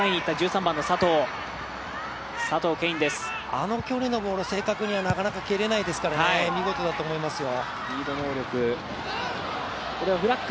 あの距離のボールを正確になかなか蹴れないですからね、見事だと思いますよ。